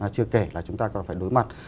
chưa kể là chúng ta còn phải đối mặt